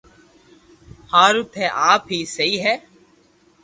ھارو تي آپ ھي سھي ھي